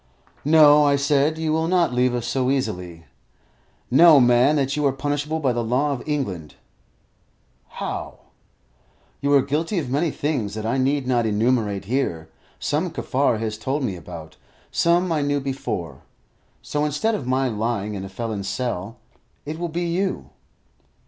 "No," I said; "you will not leave us so easily. Know, man, that you are punishable by the law of England." "How?" "You are guilty of many things that I need not enumerate here; some Kaffar has told me about, some I knew before. So, instead of my lying in a felon's cell, it will be you."